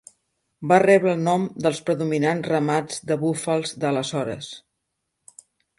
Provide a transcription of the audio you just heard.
Va rebre el nom dels predominant ramats de búfals d'aleshores.